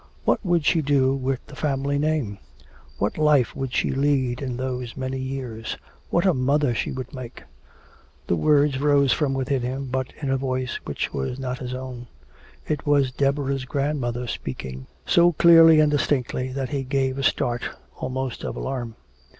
What would she do with the family name? What life would she lead in those many years?... "What a mother she would make." The words rose from within him, but in a voice which was not his own. It was Deborah's grandmother speaking, so clearly and distinctly that he gave a start almost of alarm.